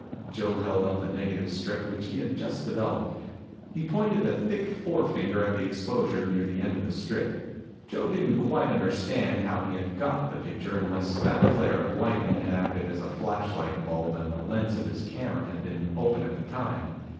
Joe held up the negative strip which he had just developed. He pointed a thick forefinger at the exposure near the end of the strip. Joe didn't quite understand how he had got the picture unless that flare of lightning had acted as a flashlight bulb and the lens of his camera had been open at the time.